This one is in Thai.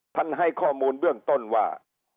ให้ข้อมูลเบื้องต้นว่า